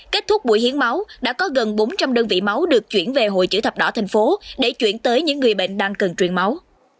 kết thúc buổi hiến máu đã có gần bốn trăm linh đơn vị máu được chuyển về hội chữ thập đỏ tp hcm để chuyển tới những người bệnh đang cần truyền máu